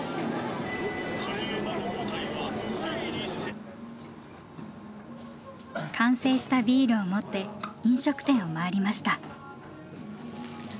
ここの完成したビールを持って飲食店を回りました。